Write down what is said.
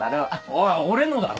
おい俺のだろ！